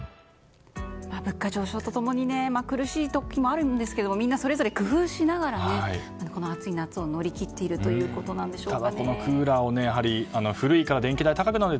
物価上昇と共に苦しい時もあるんですけどみんなそれぞれ工夫しながらこの暑い夏を乗り切っているということなんでしょうね。